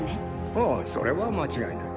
ああそれは間違いない。